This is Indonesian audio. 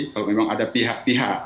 kalau memang ada pihak pihak